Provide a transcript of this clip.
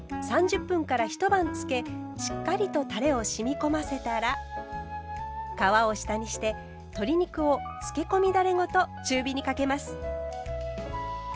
しっかりとたれを染み込ませたら皮を下にして鶏肉をつけ込みだれごと中火にかけます。